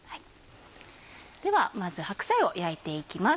ではまず白菜を焼いていきます。